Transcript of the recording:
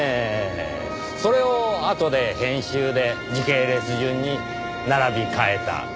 それをあとで編集で時系列順に並び替えた。